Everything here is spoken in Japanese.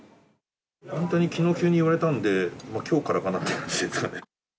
本当にきのう急に言われたんで、もうきょうからかなっていう感じですかね。